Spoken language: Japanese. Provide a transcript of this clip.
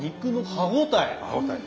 歯応えね。